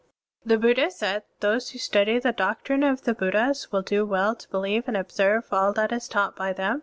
(39) The Buddha said, "Those who study the doctrine of the Buddhas will do well to believe and observe all that is taught by them.